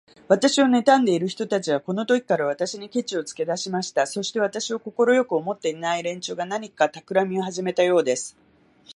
私をねたんでいる人たちは、このときから、私にケチをつけだしました。そして、私を快く思っていない連中が、何かたくらみをはじめたようです。